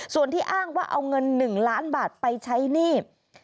ส่วนที่อ้างว่าเอาเงิน๑ล้านบาทไปใช้หนี้